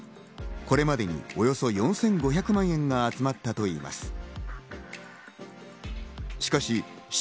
これまでにおよそ４５００万円が集まったといいます。